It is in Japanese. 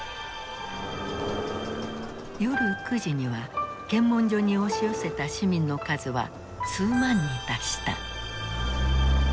夜９時には検問所に押し寄せた市民の数は数万に達した。